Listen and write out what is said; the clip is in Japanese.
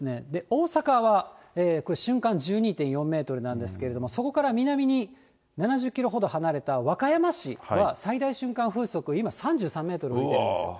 大阪はこれ、瞬間１２．４メートルなんですけれども、そこから南に７０キロほど離れた和歌山市は最大瞬間風速、今３３メートル吹いてるんですよ。